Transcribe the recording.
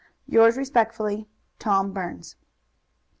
Yours respectfully, Tom Burns.